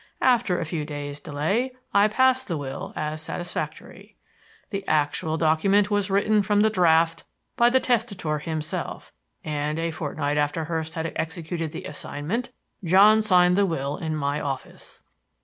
After a few days' delay, I passed the will as satisfactory. The actual document was written from the draft by the testator himself; and a fortnight after Hurst had executed the assignment, John signed the will in my office.